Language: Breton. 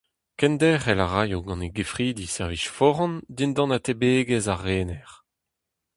Kenderc'hel a ray gant e gefridi servij foran dindan atebegezh ar rener.